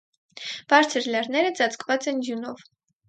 Բարձր լեռները ծածկված են ձյունով։